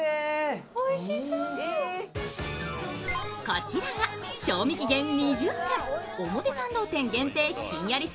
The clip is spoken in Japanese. こちらが、賞味期限２０分、表参道店限定ひんやり